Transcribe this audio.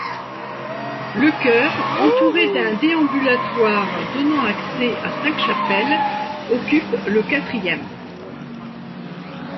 Le chœur, entouré d'un déambulatoire donnant accès à cinq chapelles, occupe le quatrième.